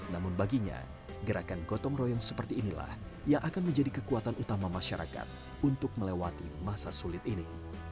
namun baginya gerakan gotong royong seperti inilah yang akan menjadi kekuatan utama masyarakat untuk melewati masa sulit ini